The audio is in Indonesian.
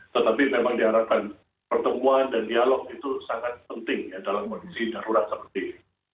tetapi memang diharapkan pertemuan dan dialog itu sangat penting ya dalam kondisi darurat seperti ini